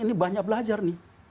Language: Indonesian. ini banyak belajar nih